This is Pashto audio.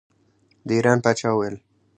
د ایران پاچا وویل.